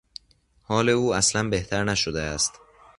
حال او اصلا بهتر نشده است.